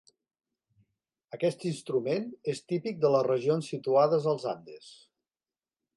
Aquest instrument és típic de les regions situades als Andes.